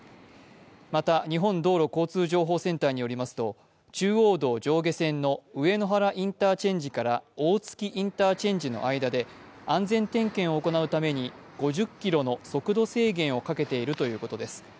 また日本道路交通情報センターによりますと、中央道上下線の上野原インターチェンジから大月インターチェンジで安全点検を行うために５０キロの速度制限をかけているということです。